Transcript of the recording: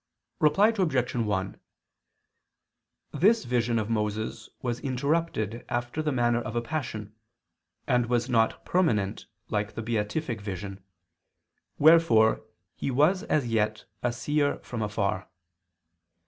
Reply Obj. 1: This vision of Moses was interrupted after the manner of a passion, and was not permanent like the beatific vision, wherefore he was as yet a seer from afar.